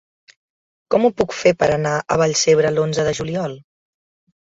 Com ho puc fer per anar a Vallcebre l'onze de juliol?